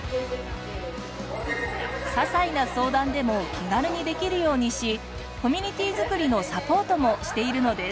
些細な相談でも気軽にできるようにしコミュニティ作りのサポートもしているのです。